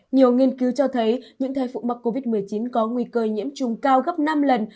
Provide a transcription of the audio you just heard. nhiều nghiên cứu cho thấy những thai phụ mắc covid một mươi chín có nguy cơ nhiễm trùng cao gấp năm lần